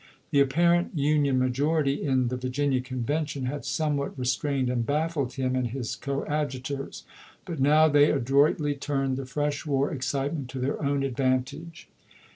The apparent Union majority in the Virginia Convention had somewhat restrained and baffled him and his coadjutors ; but now they adroitly turned the fresh war excitement to their own ad vantage.